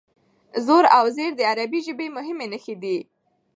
زور او زېر د عربي ژبې مهمې نښې دي.